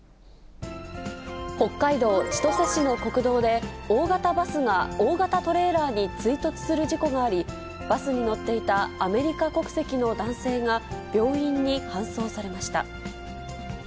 北海道千歳市の国道で、大型バスが大型トレーラーに追突する事故があり、バスに乗っていたアメリカ国籍の男性が病院に搬送されました。